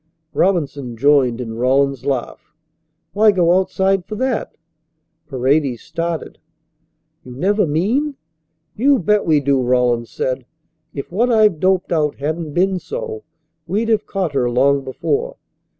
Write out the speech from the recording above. Robinson joined in Rawlins's laugh. "Why go outside for that?" Paredes started. "You never mean " "You bet we do," Rawlins said. "If what I've doped out hadn't been so we'd have caught her long before.